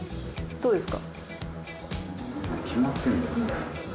どうですか？